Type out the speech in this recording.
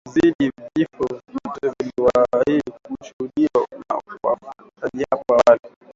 vilivyozidi vifo vyote vilivyowahi kushuhudiwa na wafugaji hapo awali